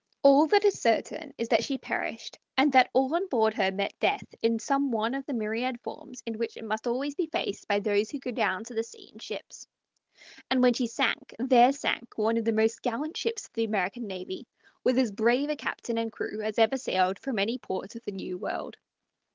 All that is certain is that she perished, and that all on board her met death in some one of the myriad forms in which it must always be faced by those who go down to the sea in ships; and when she sank there sank one of the most gallant ships of the American navy, with as brave a captain and crew as ever sailed from any port of the New World.